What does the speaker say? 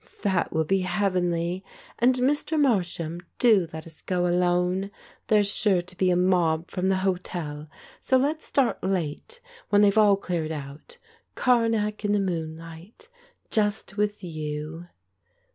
"That will be heavenly. And, Mr. Marsham, do let us go alone. There's sure to be a mob from the hotel, so let's start late, when they've all cleared out. Karnak in the moonlight, just with you."